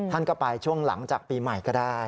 ท่านก็ไปช่วงหลังจากปีใหม่ก็ได้